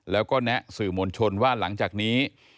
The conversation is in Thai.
แล้วก็แนะสื่อมวลชนว่าหลังจากนี้